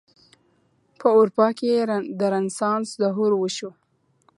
په اروپا کې د رنسانس ظهور وشو.